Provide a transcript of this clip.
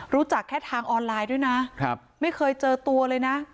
รู้จักแค่ทางออนไลน์ด้วยนะไม่เคยเจอตัวเลยนะ